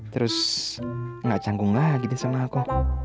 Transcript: terus nggak canggung lagi deh sama aku